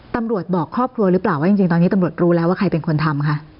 ตำรวจบอกครอบครัวหรือเปล่าว่าจริงตอนนี้ตำรวจรู้แล้วว่าใครเป็นคนทำคะ